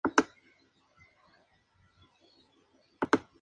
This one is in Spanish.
Tocó en una banda militar en la que coincidió con el flautista Herbie Mann.